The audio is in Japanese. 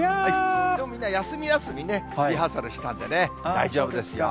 きょうみんな、休み休みね、リハーサルしたんでね、大丈夫ですよ。